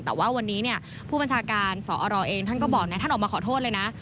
แต่ว่าวันนี้เนี่ยผู้บัญชาการสอรเองท่านก็บอกนะท่านออกมาขอโทษเลยนะ